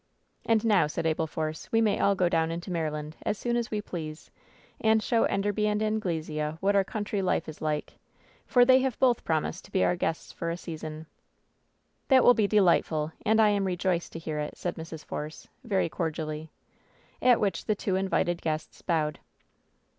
"And now,'' said Abel Force, "we may all go down into Maryland as soon as we please, and show Enderby and Anglesea what our country life is like, for they have both promised to be our guests for a season/' "That will be delightful, and I am rejoiced to hear it," said Mrs. Force, very cordially. At which the two invited guests bowed.